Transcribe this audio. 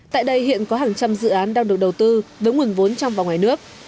tại đây hiện có hàng trăm dự án đang được đầu tư với nguồn vốn trong và ngoài nước